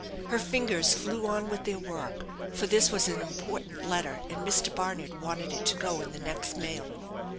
Her fingers flew on with their work, for this was an important letter, and Mr. Barnard wanted it to go in the next mail.